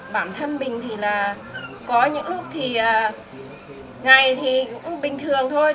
bản thân mình thì là có những lúc thì ngày thì cũng bình thường thôi